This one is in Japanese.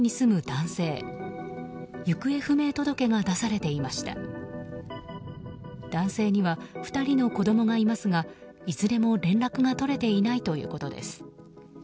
男性には２人の子供がいますがいずれも連絡が取れていないということです。